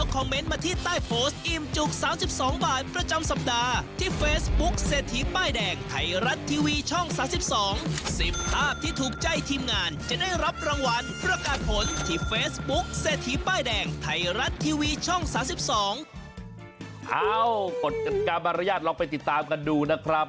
กฎการมารยาทลองไปติดตามกันดูนะครับ